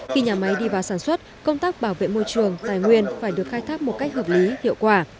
khi nhà máy đi vào sản xuất công tác bảo vệ môi trường tài nguyên phải được khai thác một cách hợp lý hiệu quả